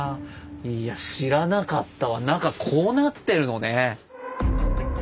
いや知らなかったわ中こうなってるのね。